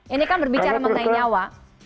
ini kan berbicara mengenai nyawa